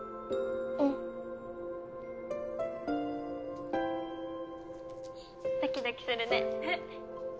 うんドキドキするね